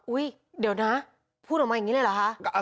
เดี๋ยวนะพูดออกมาอย่างนี้เลยเหรอคะ